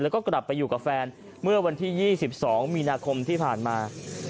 แล้วก็กลับไปอยู่กับแฟนเมื่อวันที่๒๒มีนาคมที่ผ่านมา